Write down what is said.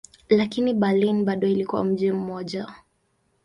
Lakini Berlin bado ilikuwa mji mmoja.